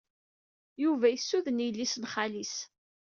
Yuba yessuden yelli-s n xali-s.